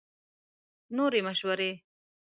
نورې مشورې